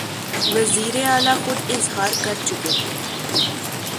وزیراعلیٰ خود اظہار کرچکے تھے